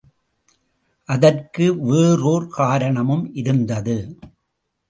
அதற்கு வேறோர் காரணமும் இருந்தது.